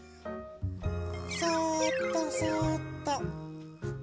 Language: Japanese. そっとそっと。